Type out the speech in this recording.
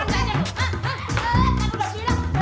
eh ya sebarang